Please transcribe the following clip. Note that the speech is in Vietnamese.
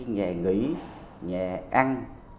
nhà nghỉ nhà ăn